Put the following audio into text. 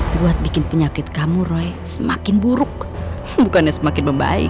buat bikin penyakit kamuroy semakin buruk bukannya semakin membaik